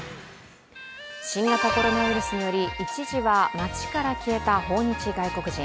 新型コロナウイルスにより一時は町から消えた訪日外国人。